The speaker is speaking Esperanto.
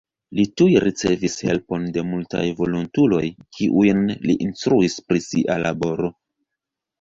Li tuj ricevis helpon de multaj volontuloj kiujn li instruis pri sia laboro.